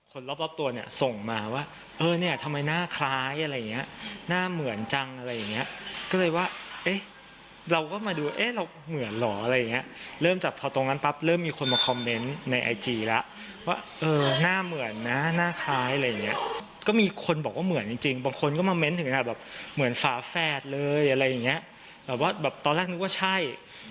คนรอบรอบตัวเนี่ยส่งมาว่าเออเนี่ยทำไมหน้าคล้ายอะไรอย่างเงี้ยหน้าเหมือนจังอะไรอย่างเงี้ยก็เลยว่าเอ๊ะเราก็มาดูเอ๊ะเราเหมือนเหรออะไรอย่างเงี้ยเริ่มจากพอตรงนั้นปั๊บเริ่มมีคนมาคอมเมนต์ในไอจีแล้วว่าเออหน้าเหมือนนะหน้าคล้ายอะไรอย่างเงี้ยก็มีคนบอกว่าเหมือนจริงจริงบางคนก็มาเม้นถึงขนาดแบบเหมือนฝาแฝดเลยอะไรอย่างเงี้ยแบบว่าแบบตอนแรกนึกว่าใช่